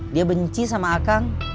dia benci sama akang